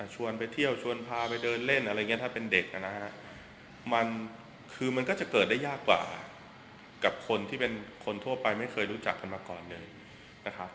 ไปเที่ยวชวนพาไปเดินเล่นอะไรอย่างนี้ถ้าเป็นเด็กนะฮะมันคือมันก็จะเกิดได้ยากกว่ากับคนที่เป็นคนทั่วไปไม่เคยรู้จักกันมาก่อนเลยนะครับ